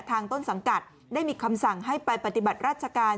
ต้นสังกัดได้มีคำสั่งให้ไปปฏิบัติราชการ